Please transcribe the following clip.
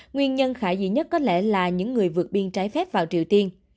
nguyên nhân khả dĩ nhất có lẽ là những người vượt biên trái phép vào triều tiên